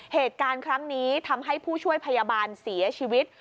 เหตุการณ์ครั้งนี้ทำให้ผู้ช่วยพยาบาลเสียชีวิต